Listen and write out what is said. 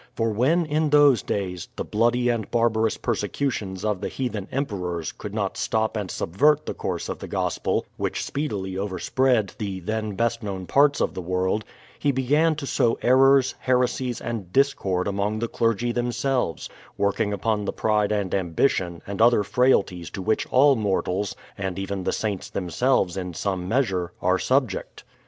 For when, in those days, the bloody and barbarous perse cutions of the heathen Emperors could not stop and sub vert the course of the gospel, which speedily overspread the then best known parts of the world, he began to sow^ errors, heresies, and discord amongst the clergy themselves, working upon the pride and ambition and other frailties to which all mortals, and even the Saints themselves in some meaure, are subject.